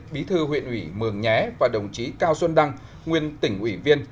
bí thư huyện ủy mường nhé và đồng chí cao xuân đăng nguyên tỉnh ủy viên